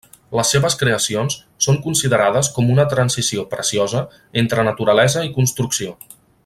Les seves creacions són considerades com una transició preciosa entre naturalesa i construcció.